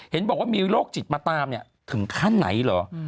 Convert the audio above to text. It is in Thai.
เห็นบอกว่ามีโรคจิตมาตามเนี่ยถึงขั้นไหนเหรอ